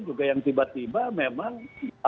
juga yang tiba tiba memang